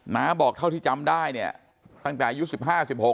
น้าบอกเท่าที่จำได้ตั้งแต่อายุ๑๕๑๖อ่ะ